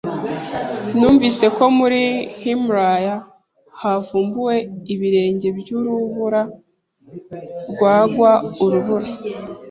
Numvise ko muri Himalaya havumbuwe ibirenge byurubura rwangwa urubura